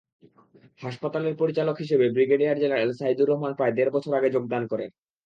হাসপাতালের পরিচালক হিসেবে ব্রিগেডিয়ার জেনারেল সাইদুর রহমান প্রায় দেড় বছর আগে যোগদান করেন।